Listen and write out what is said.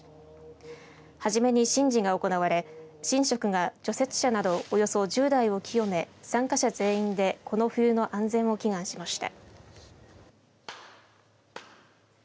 はじめに神事が行われ神職が除雪車などおよそ１０台を清め参加者全員でこの冬の安全を祈願しました。